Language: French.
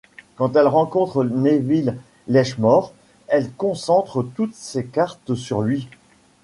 Quand elle rencontre Nevill Letchmore, elle concentre toutes ses cartes sur lui.